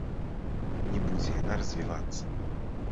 Не будзе яна развівацца.